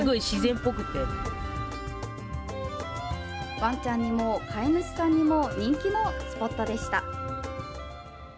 ワンちゃんにも飼い主さんにも人気のスポットでした。